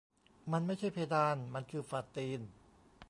"มันไม่ใช่เพดาน มันคือฝ่าตีน"